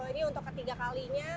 ini untuk ketiga kalinya